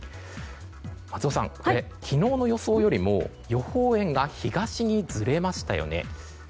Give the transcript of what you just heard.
松尾さんこれ昨日の予想よりも予報円が左にずれましたよね。